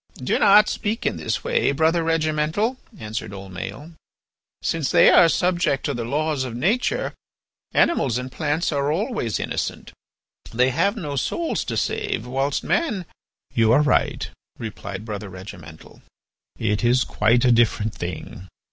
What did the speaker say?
"Do not speak in this way, Brother Regimental," answered old Maël. "Since they are subject to the law of nature, animals and plants are always innocent. They have no souls to save, whilst man—" "You are right," replied Brother Regimental, "it is quite a different thing.